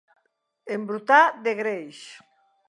Embrutar de greix.